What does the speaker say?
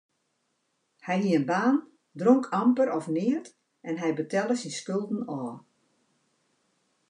Hy hie in baan, dronk amper of neat en hy betelle syn skulden ôf.